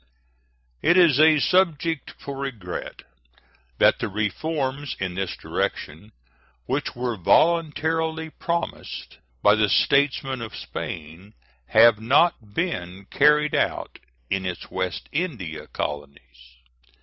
It is a subject for regret that the reforms in this direction which were voluntarily promised by the statesmen of Spain have not been carried out in its West India colonies.